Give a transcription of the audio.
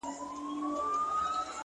زما د ميني جنډه پورته ښه ده”